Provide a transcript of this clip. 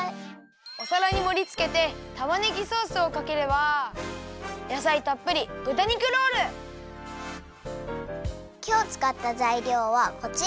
おさらにもりつけてたまねぎソースをかければやさいたっぷりきょうつかったざいりょうはこちら！